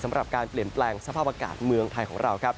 สำหรับการเปลี่ยนแปลงสภาพอากาศเมืองไทยของเราครับ